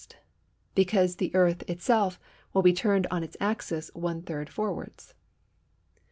because the Earth itself will be turned on its axis one third forwards.